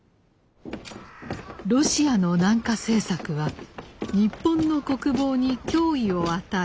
ロシアの南下政策は日本の国防に脅威を与え。